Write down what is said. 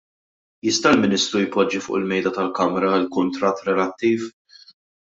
Jista' l-Ministru jpoġġi fuq il-Mejda tal-Kamra l-kuntratt relattiv?